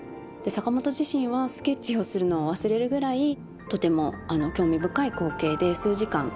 坂本自身はスケッチをするのを忘れるぐらいとても興味深い光景で数時間それを見た。